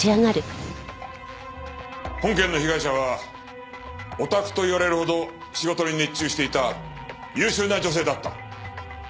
本件の被害者はオタクと言われるほど仕事に熱中していた優秀な女性だった。